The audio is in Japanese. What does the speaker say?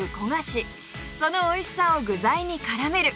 そのおいしさを具材にからめる！